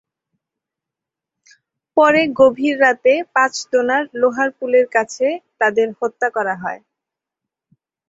পরে গভীর রাতে পাঁচদোনার লোহার পুলের কাছে তাঁদের হত্যা করা হয়।